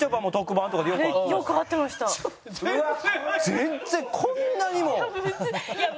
全然こんなにも！